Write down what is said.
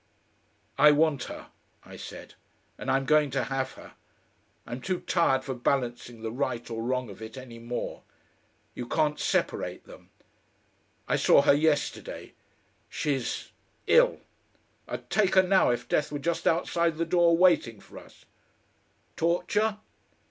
"I want her," I said, "and I'm going to have her. I'm too tired for balancing the right or wrong of it any more. You can't separate them. I saw her yesterday.... She's ill.... I'd take her now, if death were just outside the door waiting for us." "Torture?"